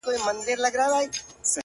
o راسره جانانه ستا بلا واخلم،